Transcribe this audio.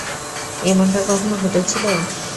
এমনটা কখনো ঘটেছিল?